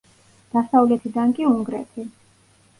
დასავლეთიდან კი უნგრეთი.